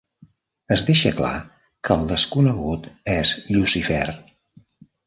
Es deixa clar que el desconegut és Llucifer.